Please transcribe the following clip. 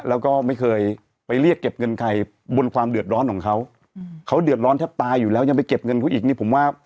แล้วก็ไม่เคยไปเรียกเก็บเงินใครบนความเดือดร้อนของเขา